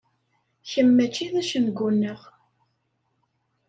Kemm mačči d acengu-nneɣ.